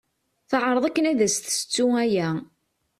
Teɛreḍ akken ad as-tessettu aya.